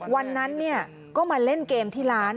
วันนั้นก็มาเล่นเกมที่ร้าน